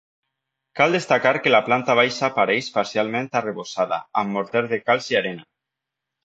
Cal destacar que la planta baixa apareix parcialment arrebossada amb morter de calç i arena.